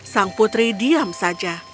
sang putri diam saja